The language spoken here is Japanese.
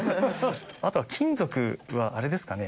あとは金属はあれですかね？